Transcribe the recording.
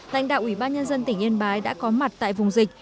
lãnh đạo ủy ban nhân dân tỉnh yên bái đã có mặt tại vùng dịch